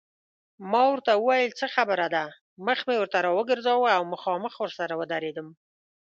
ما ورته وویل څه خبره ده، مخ مې ورته راوګرځاوه او مخامخ ورسره ودرېدم.